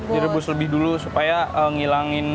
direbus lebih dulu supaya ngilangin